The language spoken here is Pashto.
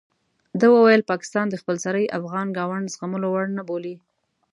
ده وویل پاکستان د خپل سرۍ افغان ګاونډ زغملو وړ نه بولي.